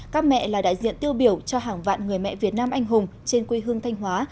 các mẹ là đại diện tiêu biểu cho hàng vạn người mẹ việt nam anh hùng trên quê hương thanh hóa